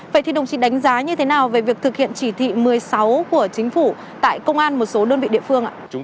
vậy thì đồng chí đánh giá như thế nào về việc thực hiện chỉ thị một mươi sáu của chính phủ tại công an một số đơn vị địa phương ạ